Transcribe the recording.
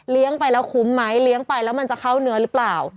ไปแล้วคุ้มไหมเลี้ยงไปแล้วมันจะเข้าเนื้อหรือเปล่า